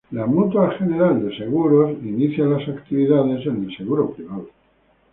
Mutua General de Seguros inicia las actividades en el seguro privado.